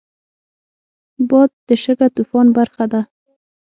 باد د شګهطوفان برخه ده